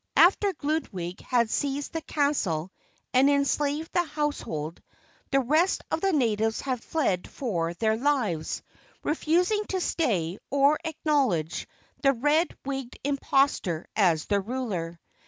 After Gludwig had seized the castle and enslaved the household, the rest of the natives had fled for their lives, refusing to stay or acknowledge the red wigged imposter as their ruler.